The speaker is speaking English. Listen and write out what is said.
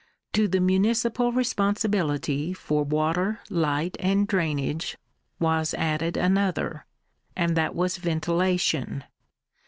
To the municipal responsibility for water, light, and drainage, was added another, and that was ventilation.